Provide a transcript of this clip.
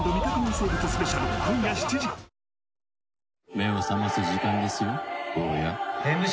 目を覚ます時間ですよ、坊や。